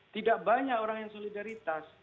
tidak banyak orang yang solidaritas